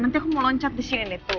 nanti aku mau loncat disini nih tuh